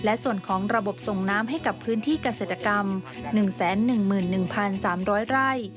และส่วนของระบบส่งน้ำให้กับพื้นที่เกษตรกรรม๑๑๓๐๐ไร่